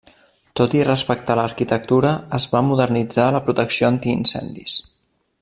Tot i respectar l'arquitectura, es va modernitzar la protecció antiincendis.